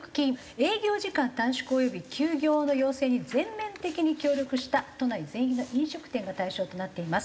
営業時間短縮及び休業の要請に全面的に協力した都内全域の飲食店が対象となっています。